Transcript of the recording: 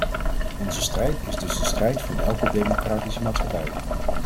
Onze strijd is dus de strijd van elke democratische maatschappij.